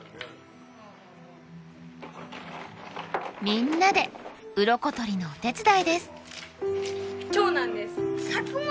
みんなでウロコ取りのお手伝いです。